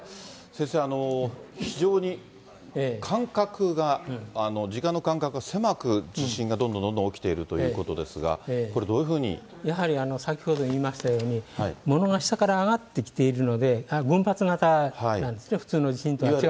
先生、非常に感覚が、時間の間隔が狭く、どんどんどんどん起きているということですが、これどういうふうやはり先ほど言いましたように、ものが下から上がってきているので、分発型なんですね、普通の地震とは違って。